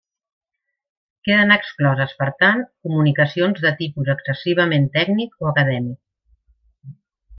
Queden excloses, per tant, comunicacions de tipus excessivament tècnic o acadèmic.